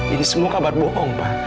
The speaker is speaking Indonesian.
ini semua kabar bohong pak